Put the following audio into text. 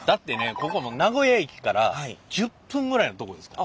ここ名古屋駅から１０分ぐらいのとこですから。